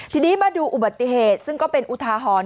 ทีนี้มาดูอุบัติเหตุซึ่งก็เป็นอุทาหรณ์